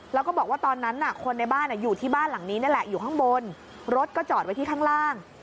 แล้วก็บอกว่าตอนนั้นคนในบ้านอยู่ที่บ้านหลังนี้นี่แหละอยู่ข้างบนรถก็จอดไว้ที่ข้างล่าง